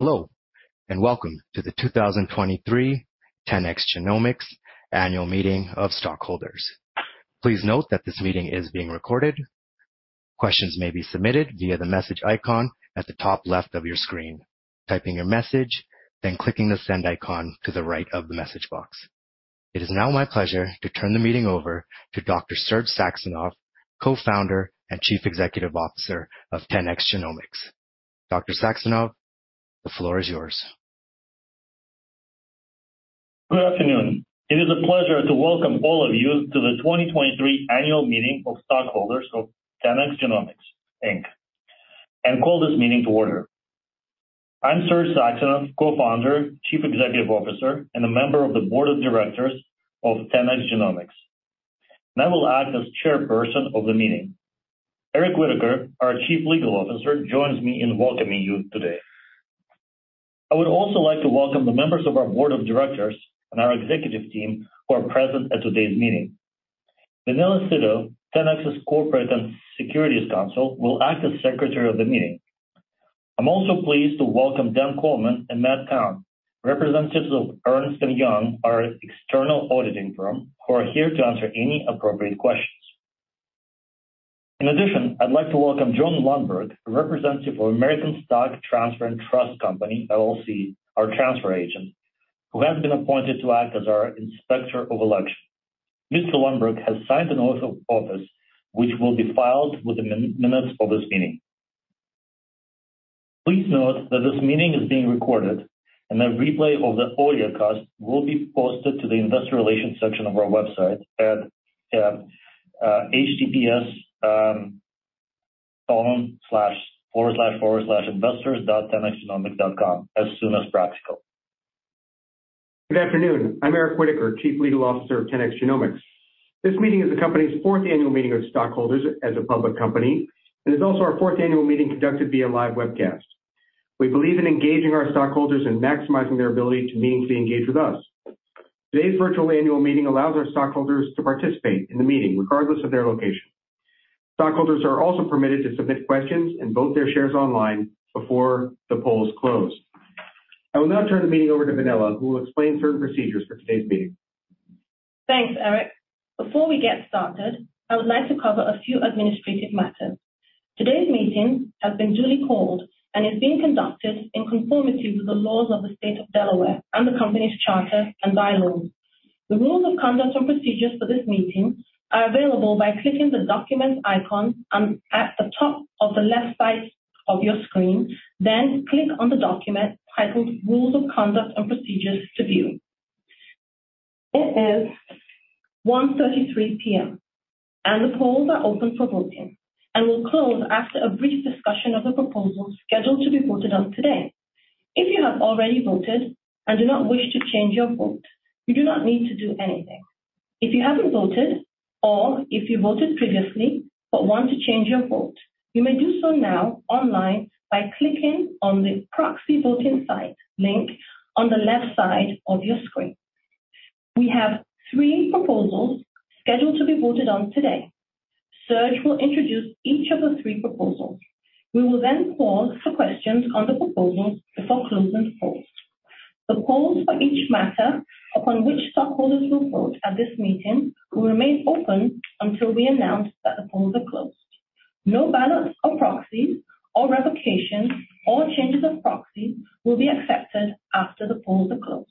Hello, and welcome to the 2023 10x Genomics Annual Meeting of Stockholders. Please note that this meeting is being recorded. Questions may be submitted via the message icon at the top left of your screen, typing your message, then clicking the send icon to the right of the message box. It is now my pleasure to turn the meeting over to Dr. Serge Saxonov, Co-founder and Chief Executive Officer of 10x Genomics. Dr. Saxonov, the floor is yours. Good afternoon. It is a pleasure to welcome all of you to the 2023 Annual Meeting of Stockholders of 10x Genomics, Inc. Call this meeting to order. I'm Serge Saxonov, Co-founder, Chief Executive Officer, and a member of the Board of Directors of 10x Genomics, and I will act as chairperson of the meeting. Eric Whitaker, our Chief Legal Officer, joins me in welcoming you today. I would also like to welcome the members of our board of directors and our executive team who are present at today's meeting. Vandana Sidhu, 10x's Corporate and Securities Counsel, will act as secretary of the meeting. I'm also pleased to welcome Dan Coleman and Matt Kahn, representatives of Ernst & Young, our external auditing firm, who are here to answer any appropriate questions.In addition, I'd like to welcome John Lundberg, a representative of American Stock Transfer & Trust Company, LLC, our transfer agent, who has been appointed to act as our inspector of election. Mr. Lundberg has signed an oath of office, which will be filed with the minutes of this meeting. Please note that this meeting is being recorded, and a replay of the audio cast will be posted to the investor relations section of our website at https://investors.10xgenomics.com as soon as practical. Good afternoon. I'm Eric Whitaker, Chief Legal Officer of 10x Genomics. This meeting is the company's fourth annual meeting of stockholders as a public company. It's also our fourth annual meeting conducted via live webcast. We believe in engaging our stockholders and maximizing their ability to meaningfully engage with us. Today's virtual annual meeting allows our stockholders to participate in the meeting, regardless of their location. Stockholders are also permitted to submit questions and vote their shares online before the polls close. I will now turn the meeting over to Vandana, who will explain certain procedures for today's meeting. Thanks, Eric. Before we get started, I would like to cover a few administrative matters. Today's meeting has been duly called and is being conducted in conformity with the laws of the State of Delaware and the company's charter and bylaws. The rules of conduct and procedures for this meeting are available by clicking the Documents icon at the top of the left side of your screen, then click on the document titled Rules of Conduct and Procedures to view. It is 1:33 P.M. The polls are open for voting and will close after a brief discussion of the proposals scheduled to be voted on today. If you have already voted and do not wish to change your vote, you do not need to do anything. If you haven't voted or if you voted previously but want to change your vote, you may do so now online by clicking on the proxy voting site link on the left side of your screen. We have three proposals scheduled to be voted on today. Serge will introduce each of the three proposals. We will then pause for questions on the proposals before closing the polls. The polls for each matter upon which stockholders will vote at this meeting will remain open until we announce that the polls are closed. No ballots or proxies or revocations or changes of proxy will be accepted after the polls are closed.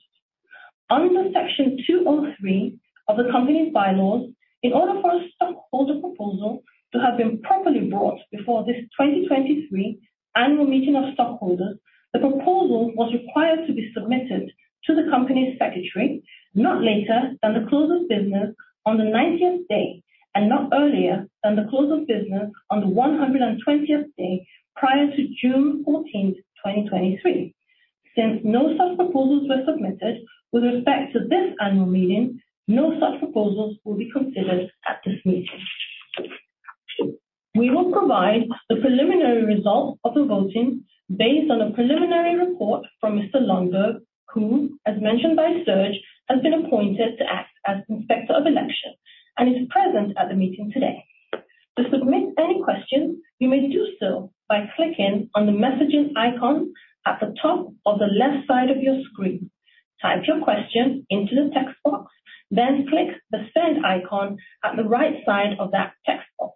Under Section 2.03 of the company's bylaws, in order for a stockholder proposal to have been properly brought before this 2023 annual meeting of stockholders, the proposal was required to be submitted to the company's secretary not later than the close of business on the 90th day and not earlier than the close of business on the 120th day prior to June 14, 2023. No such proposals were submitted with respect to this annual meeting, no such proposals will be considered at this meeting. We will provide the preliminary results of the voting based on a preliminary report from Mr. Lundberg, who, as mentioned by Serge, has been appointed to act as Inspector of Election and is present at the meeting today. To submit any questions, you may do so by clicking on the Messages icon at the top of the left side of your screen. Type your question into the text box, then click the send icon at the right side of that text box.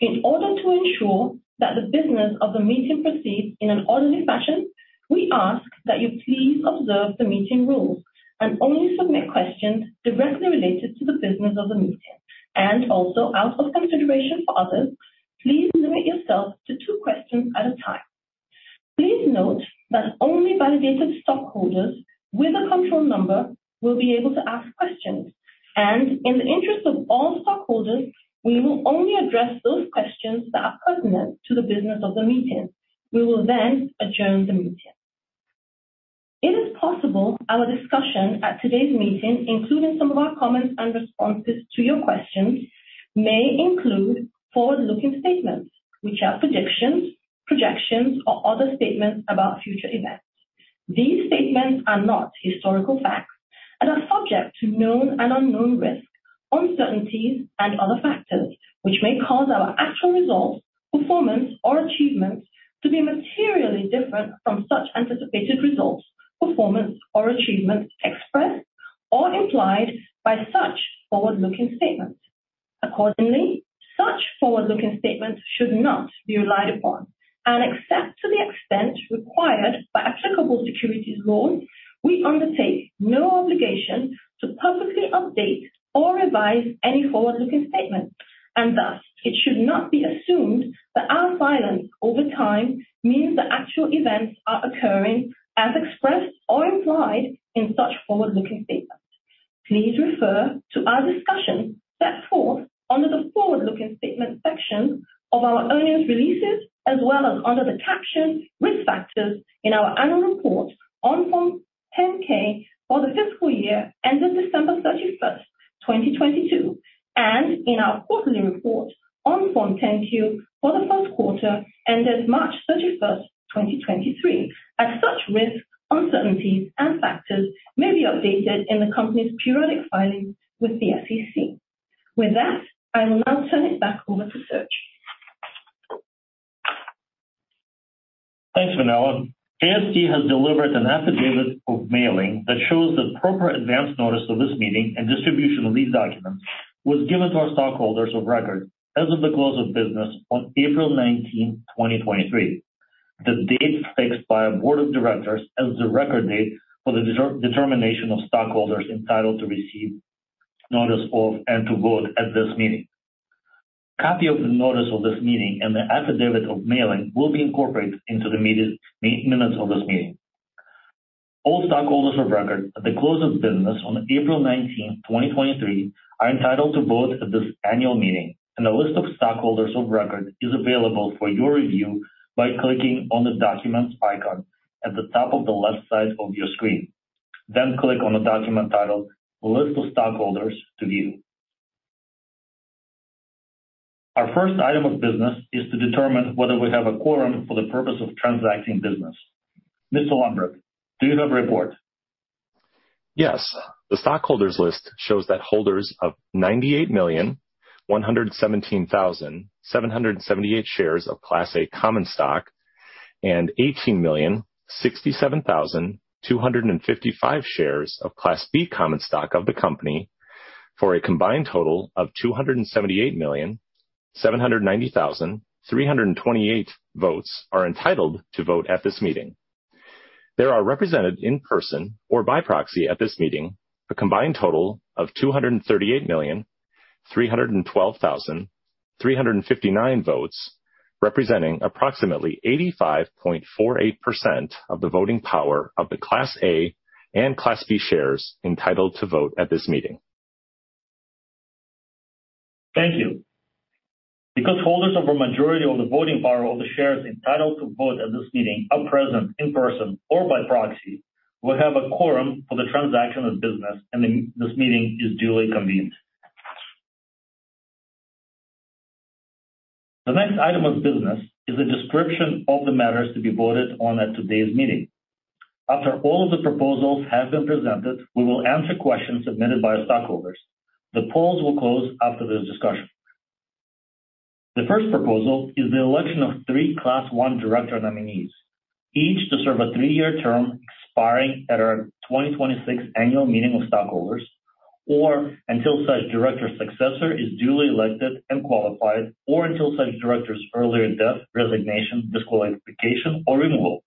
In order to ensure that the business of the meeting proceeds in an orderly fashion, we ask that you please observe the meeting rules and only submit questions directly related to the business of the meeting. Also out of consideration for others, please limit yourself to 2 questions at a time. Please note that only validated stockholders with a control number will be able to ask questions, and in the interest of all stockholders, we will only address those questions that are pertinent to the business of the meeting. We will then adjourn the meeting. It is possible our discussion at today's meeting, including some of our comments and responses to your questions, may include forward-looking statements, which are predictions, projections, or other statements about future events. These statements are not historical facts and are subject to known and unknown risks, uncertainties, and other factors, which may cause our actual results, performance, or achievements to be materially different from such anticipated results, performance, or achievements expressed or implied by such forward-looking statements. Accordingly, such forward-looking statements should not be relied upon. Except to the extent required by applicable securities laws, we undertake no obligation to publicly update or revise any forward-looking statements. Thus, it should not be assumed that our silence over time means that actual events are occurring as expressed or implied in such forward-looking statements. Please refer to our discussion set forth under the Forward-Looking Statements section of our earnings releases, as well as under the caption Risk Factors in our Annual Report on Form 10-K for the fiscal year ended December 31, 2022, and in our quarterly report on Form 10-Q for the first quarter ended March 31, 2023. As such risks, uncertainties, and factors may be updated in the company's periodic filings with the SEC. With that, I will now turn it back over to Serge. Thanks, Vandana. AST has delivered an affidavit of mailing that shows that proper advance notice of this meeting and distribution of these documents was given to our stockholders of record as of the close of business on April 19, 2023, the date fixed by our board of directors as the record date for the determination of stockholders entitled to receive notice of and to vote at this meeting. A copy of the notice of this meeting and the affidavit of mailing will be incorporated into the meeting minutes of this meeting. All stockholders of record at the close of business on April 19, 2023, are entitled to vote at this annual meeting, a list of stockholders of record is available for your review by clicking on the Documents icon at the top of the left side of your screen. Click on the document titled List of Stockholders to view. Our first item of business is to determine whether we have a quorum for the purpose of transacting business. Mr. Lundberg, do you have a report? Yes. The stockholders' list shows that holders of 98,117,778 shares of Class A common stock and 18,067,255 shares of Class B common stock of the company, for a combined total of 278,790,328 votes, are entitled to vote at this meeting. There are represented in person or by proxy at this meeting, a combined total of 238,312,359 votes, representing approximately 85.48% of the voting power of the Class A and Class B shares entitled to vote at this meeting. Thank you. Because holders of a majority of the voting power of the shares entitled to vote at this meeting are present in person or by proxy, we have a quorum for the transaction of business, this meeting is duly convened. The next item of business is a description of the matters to be voted on at today's meeting. After all of the proposals have been presented, we will answer questions submitted by the stockholders. The polls will close after this discussion. The first proposal is the election of three Class I director nominees, each to serve a three-year term expiring at our 2026 Annual Meeting of Stockholders, or until such director's successor is duly elected and qualified, or until such director's earlier death, resignation, disqualification, or removal.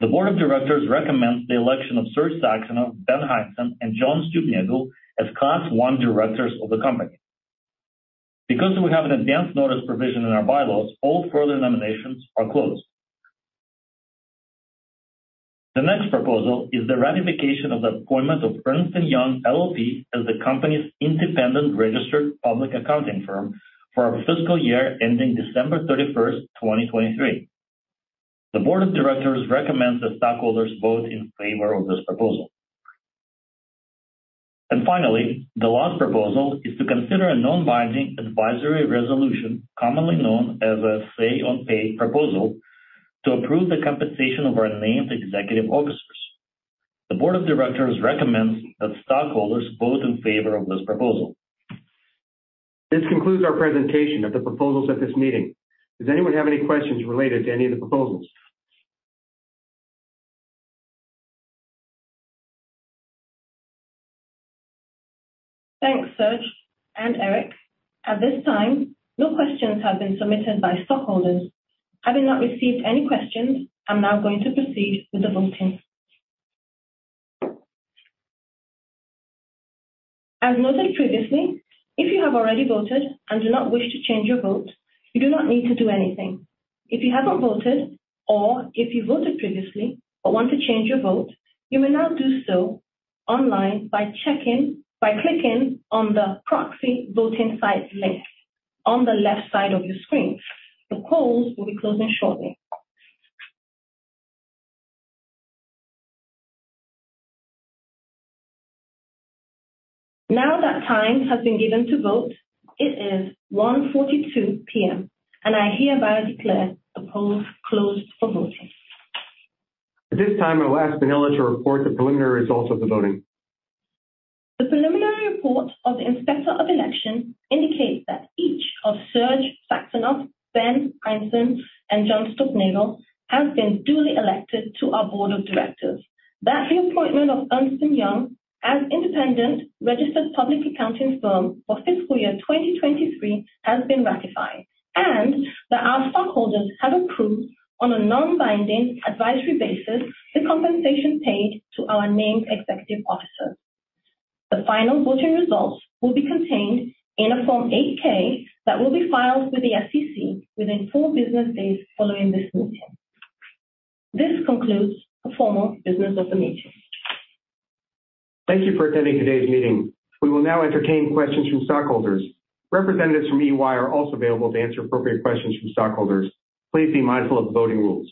The board of directors recommends the election of Serge Saxonov, Ben Hindson, and John Stuelpnagel as Class I directors of the company. Because we have an advance notice provision in our bylaws, all further nominations are closed. The next proposal is the ratification of the appointment of Ernst & Young LLP as the company's independent registered public accounting firm for our fiscal year ending December 31st, 2023. The board of directors recommends that stockholders vote in favor of this proposal. Finally, the last proposal is to consider a non-binding advisory resolution, commonly known as a say-on-pay proposal, to approve the compensation of our named executive officers. The board of directors recommends that stockholders vote in favor of this proposal. This concludes our presentation of the proposals at this meeting. Does anyone have any questions related to any of the proposals? Thanks, Serge and Eric. At this time, no questions have been submitted by stockholders. Having not received any questions, I'm now going to proceed with the voting. As noted previously, if you have already voted and do not wish to change your vote, you do not need to do anything. If you haven't voted or if you voted previously but want to change your vote, you may now do so online by clicking on the proxy voting site link on the left side of your screen. The polls will be closing shortly. Now that time has been given to vote, it is 1:42 P.M. I hereby declare the polls closed for voting. At this time, I will ask Vandana to report the preliminary results of the voting. The preliminary report of the Inspector of Election indicates that each of Serge Saxonov, Ben Hindson, and John Stuelpnagel has been duly elected to our board of directors, that the appointment of Ernst & Young as independent registered public accounting firm for fiscal year 2023 has been ratified, and that our stockholders have approved on a non-binding advisory basis, the compensation paid to our named executive officers. The final voting results will be contained in a Form 8-K that will be filed with the SEC within four business days following this meeting. This concludes the formal business of the meeting. Thank you for attending today's meeting. We will now entertain questions from stockholders. Representatives from EY are also available to answer appropriate questions from stockholders. Please be mindful of the voting rules.